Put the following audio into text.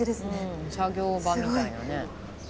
うん作業場みたいなね。